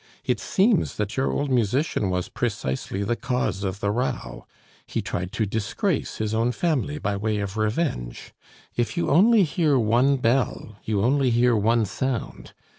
It seems that your old musician was precisely the cause of the row; he tried to disgrace his own family by way of revenge. If you only hear one bell, you only hear one sound.